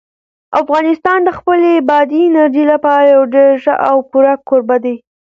افغانستان د خپلې بادي انرژي لپاره یو ډېر ښه او پوره کوربه دی.